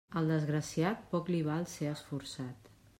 Al desgraciat, poc li val ser esforçat.